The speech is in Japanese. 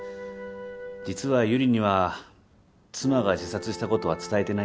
実は悠里には妻が自殺した事は伝えてないんです。